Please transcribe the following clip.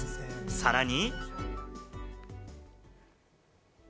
さらに。